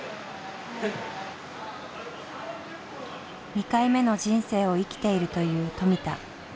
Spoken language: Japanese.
２回目の人生を生きているという富田。